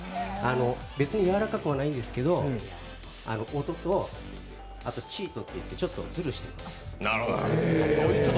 別にやわらかくはないんですけど、音とチートといってちょっとズルしてます。